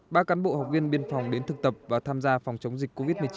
ba cán bộ học viên biên phòng đến thực tập và tham gia phòng chống dịch covid một mươi chín